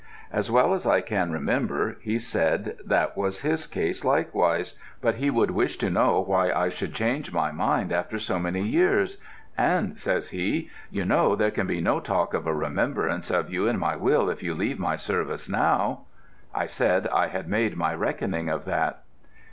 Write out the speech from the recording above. As well as I can remember, he said that was his case likewise, but he would wish to know why I should change my mind after so many years, and, says he, 'you know there can be no talk of a remembrance of you in my will if you leave my service now.' I said I had made my reckoning of that.